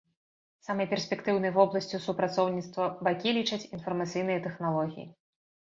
Самай перспектыўнай вобласцю супрацоўніцтва бакі лічаць інфармацыйныя тэхналогіі.